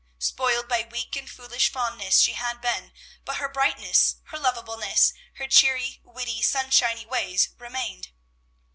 Spoiled by weak and foolish fondness she had been; but her brightness, her lovableness, her cheery, witty, sunshiny ways remained.